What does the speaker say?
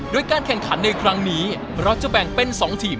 โดยการแข่งขันในครั้งนี้เราจะแบ่งเป็น๒ทีม